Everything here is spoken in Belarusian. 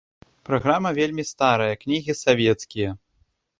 Праграма вельмі старая, кнігі савецкія.